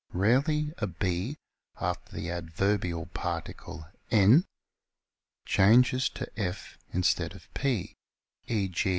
Rarely a B after the adverbial particle en changes to F instead of P, e.